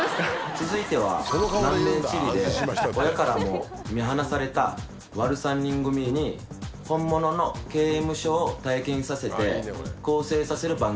続いては南米チリで親からも見放されたワル３人組に本物の刑務所を体験させて更生させる番組。